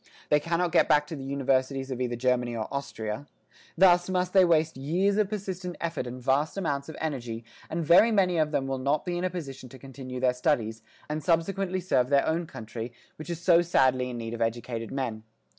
They cannot get back to the universities of either Germany or Austria. Thus must they waste years of persistent effort and vast amounts of energy, and very many of them will not be in a position to continue their studies, and subsequently serve their own country, which is so sadly in need of educated men.